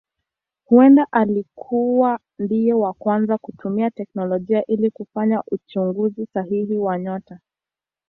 Huenda alikuwa ndiye wa kwanza kutumia teknolojia ili kufanya uchunguzi sahihi wa nyota.